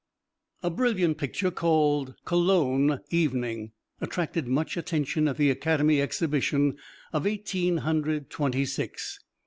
A brilliant picture, called "Cologne Evening," attracted much attention at the Academy Exhibition of Eighteen Hundred Twenty six.